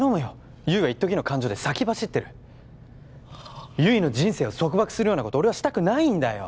悠依はいっときの感情で先走ってる悠依の人生を束縛するようなこと俺はしたくないんだよ